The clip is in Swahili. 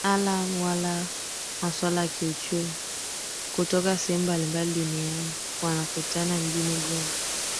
alam wa maswala ya kiuchumi kutoka sehemu mbalimbali duniani wanakutana mjini goma